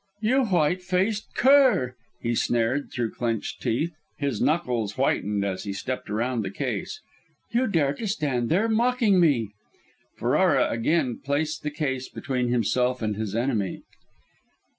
"You white faced cur!" he snarled through clenched teeth; his knuckles whitened as he stepped around the case. "You dare to stand there mocking me " Ferrara again placed the case between himself and his enemy.